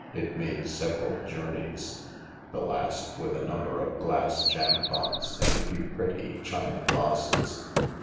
It made several journeys the last with a number of glass jampots and a few pretty china vases.